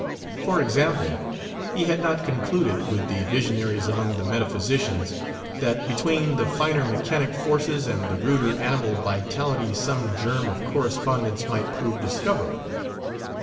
For example, he had not concluded, with the visionaries among the metaphysicians, that between the finer mechanic forces and the ruder animal vitality some germ of correspondence might prove discoverable.